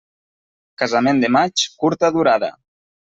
Casament de maig, curta durada.